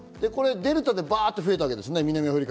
デルタがバっと増えたわけです。